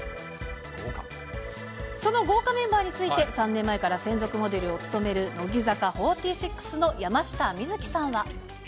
その豪華メンバーについて、３年前から専属モデルを務める乃木坂４６の山下美月さんは。